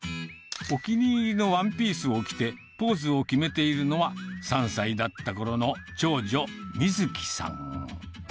お気に入りのワンピースを着て、ポーズを決めているのは、３歳だったころの長女、瑞紀さん。